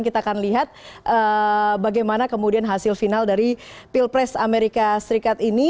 kita akan lihat bagaimana kemudian hasil final dari pilpres amerika serikat ini